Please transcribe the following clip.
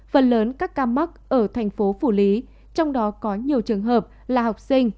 phần lớn các ca mắc ở thành phố phủ lý trong đó có nhiều trường hợp là học sinh